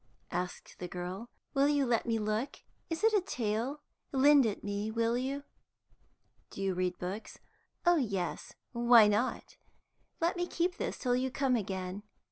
asked the girl. "Will you let me look? Is it a tale? Lend it me; will you?" "Do you read books?" "Oh yes; why not? Let me keep this till you come again.